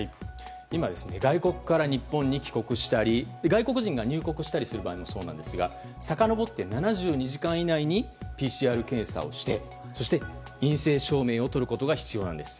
今、外国から日本に帰国したり外国人が入国したりする場合もそうなんですがさかのぼって７２時間以内にＰＣＲ検査をしてそして陰性証明書をとることが必要なんです。